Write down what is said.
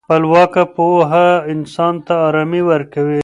خپلواکه پوهه انسان ته ارامي ورکوي.